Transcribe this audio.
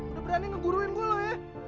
udah berani ngeguruin gue ya